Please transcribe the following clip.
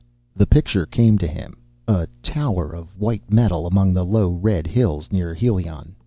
The picture came to him. A tower of white metal, among the low red hills near Helion.